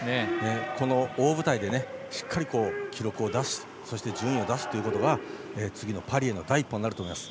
この大舞台でしっかり記録を出すそして、順位を出すことが次のパリへの第一歩になると思います。